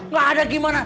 gak ada gimana